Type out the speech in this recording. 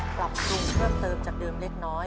ปรับปรุงเพิ่มเติมจากเดิมเล็กน้อย